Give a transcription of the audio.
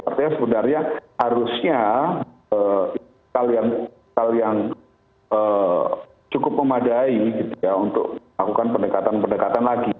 artinya sebenarnya harusnya hal yang cukup memadai gitu ya untuk melakukan pendekatan pendekatan lagi